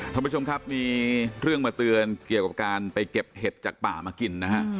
ท่านผู้ชมครับมีเรื่องมาเตือนเกี่ยวกับการไปเก็บเห็ดจากป่ามากินนะฮะ